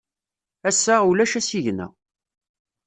Ass-a, ulac asigna.